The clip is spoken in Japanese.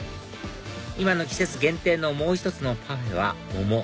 今の季節限定のもう１つのパフェは桃